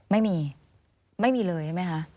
ไม่มีไม่มีเลยใช่ไหมคะ